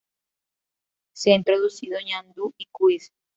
Se ha introducido ñandú y cuis.